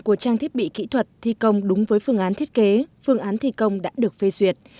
của trang thiết bị kỹ thuật thi công đúng với phương án thiết kế phương án thi công đã được phê duyệt